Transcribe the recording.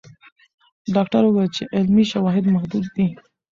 ډاکټره وویل چې علمي شواهد محدود دي.